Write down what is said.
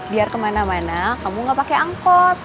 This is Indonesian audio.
biar kemana mana kamu gak pake angkot